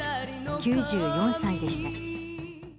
９４歳でした。